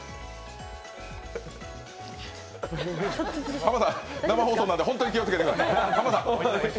浜田さん、生放送なんで本当に気をつけてください。